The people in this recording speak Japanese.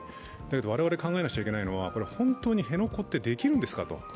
我々が考えなくてはいけないのは、本当に辺野古ってできるんですかと。